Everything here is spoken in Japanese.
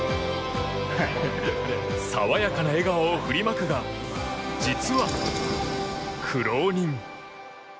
爽やかな笑顔を振りまくが実は苦労人。